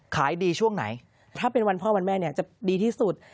ขายดีช่วงไหนถ้าเป็นวันพ่อวันแม่เนี่ยจะดีที่สุด